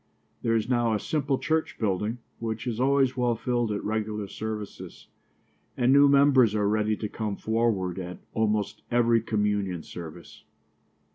There is now a simple church building, which is always well filled at regular services, and new members are ready to come forward at almost every communion service.